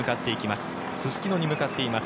すすきのに向かっています。